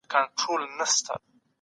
تورنپال